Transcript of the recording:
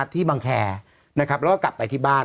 ที่บังแคร์แล้วก็กลับไปที่บ้าน